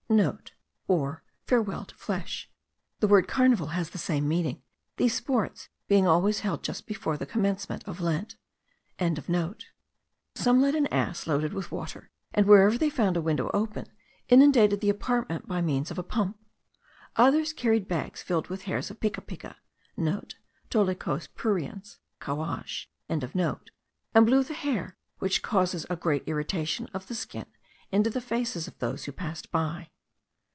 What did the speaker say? (* Or "farewell to flesh." The word carnival has the same meaning, these sports being always held just before the commencement of Lent.) Some led an ass loaded with water, and, where ever they found a window open, inundated the apartment within by means of a pump. Others carried bags filled with hairs of picapica;* (* Dolichos pruriens (cowage).) and blew the hair, which causes a great irritation of the skin, into the faces of those who passed by.